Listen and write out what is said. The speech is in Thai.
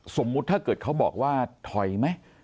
สมมุติถ้าเกิดเขาบอกว่าถอยไหม